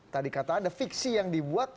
tadi kata anda fiksi yang dibuat